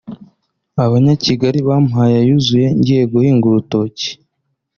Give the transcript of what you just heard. abanyakigali bampaye ayuzuye ngiye guhinga urutoki’